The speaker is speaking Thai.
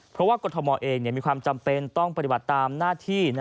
เพราะว่ากรทมเองมีความจำเป็นต้องปฏิบัติตามหน้าที่